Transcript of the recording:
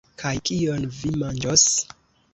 Kaj kion vi manĝos?